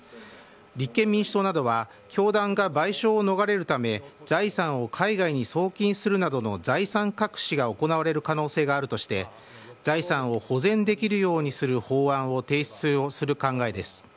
立憲民主党などは教団が賠償を逃れるため財産を海外に送金するなどの財産隠しが行われる可能性があるとして財産を保全できるようにする法案を提出する考えです。